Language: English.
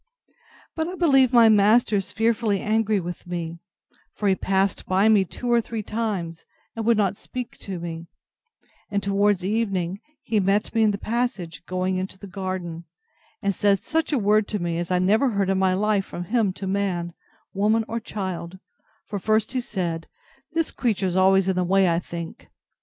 But I believe my master is fearfully angry with me; for he passed by me two or three times, and would not speak to me; and towards evening, he met me in the passage, going into the garden, and said such a word to me as I never heard in my life from him to man, woman, or child; for he first said, This creature's always in the way, I think.